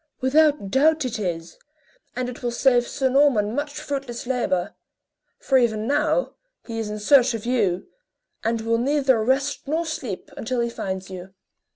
"Without doubt it is, and it will save Sir Norman much fruitless labor; for even now he is in search of you, and will neither rest nor sleep until he finds you."